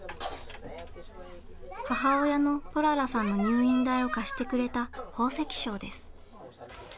母親のポララさんの入院代を貸してくれた宝石商です。